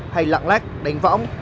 hay lạng lách đánh võng